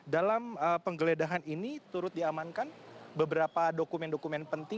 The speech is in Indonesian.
dalam penggeledahan ini turut diamankan beberapa dokumen dokumen penting